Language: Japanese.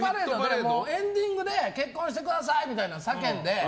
エンディングで結婚してくださいみたいな叫んで。